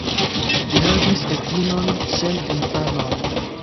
Li havis edzinon sen infanoj.